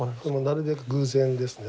なるべく偶然ですね。